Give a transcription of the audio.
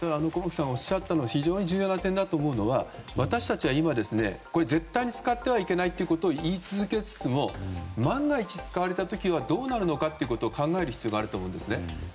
駒木さんがおっしゃった中で非常に重要だと思うのは私たちは今、絶対に使ってはいけないということを言い続けつつも万が一、使われた時はどうなるのかということを考える必要があると思います。